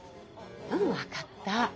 うん分かった。